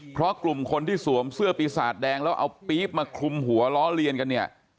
เพราะกลุ่มคนที่สวมเสื้อปีศาจแดงแล้วเอาปี๊บมาคลุมหัวล้อเลียนกันเนี่ย